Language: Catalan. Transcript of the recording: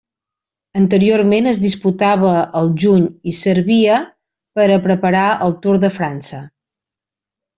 Anteriorment es disputava al juny i servia per a preparar el Tour de França.